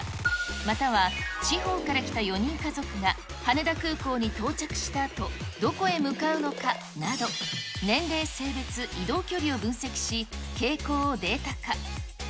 または、地方から来た４人家族が羽田空港に到着したあと、どこへ向かうのかなど、年齢、性別、移動距離を分析し、傾向をデータ化。